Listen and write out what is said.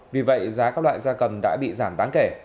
vì vậy giá các loại gia cầm đã bị giảm bán kể